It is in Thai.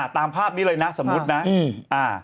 ตามภาพนี้เลยนะสมมุตินะ